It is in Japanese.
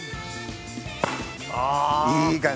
いい感じ！